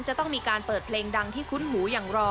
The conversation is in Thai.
จะต้องมีการเปิดเพลงดังที่คุ้นหูอย่างรอ